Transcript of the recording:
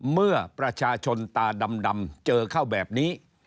เมื่อประชาชนตาดำเจอเข้าแบบนี้